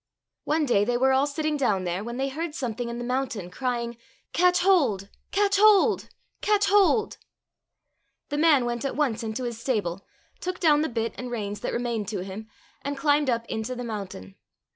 One day they were all sitting down there when they heard something in the moun tain crying, " Catch hold ! catch hold ! catch hold !" The man went at once into his stable, took down the bit and reins that remained to him, and climbed up into the mountain.